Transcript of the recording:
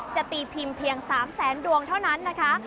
จะตีพิมพ์เพียง๓แสนดวงเท่านั้นนะคะ